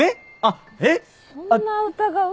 そんな疑う？